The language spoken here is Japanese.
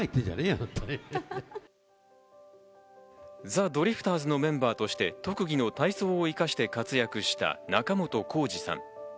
ザ・ドリフターズのメンバーとして特技の体操を生かして活躍した仲本工事さん。